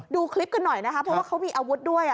ดูคลิปกันหน่อยนะคะเพราะว่าเขามีอาวุธด้วย